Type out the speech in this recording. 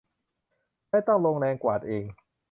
ไม่ต้องลงแรงกวาดเอง